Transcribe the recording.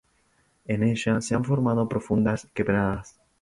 En ella se han formado profundas quebradas.